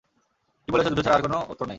তুমি বলিয়াছ যুদ্ধ ছাড়া আর কোনো উত্তর নাই?